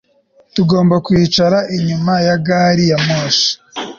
Tugomba kwicara inyuma ya gari ya moshi